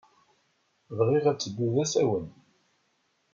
Bɣiɣ ad teddu d asawen.